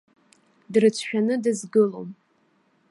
Дрыцәшәаны дызгылом.